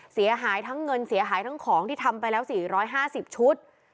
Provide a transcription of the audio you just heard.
เสียหายทั้งเงินเสียหายทั้งของที่ทำไปแล้ว๔๕๐ชุด